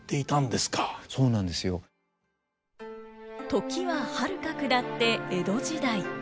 時ははるか下って江戸時代。